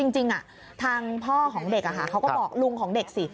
จริงทางพ่อของเด็กเขาก็บอกลุงของเด็กสิ